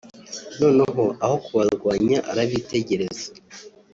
noneho aho kubarwanya arabitegereza